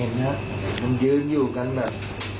เห็นนะมันยืนอยู่กันแบบ